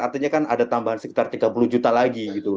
artinya kan ada tambahan sekitar tiga puluh juta lagi gitu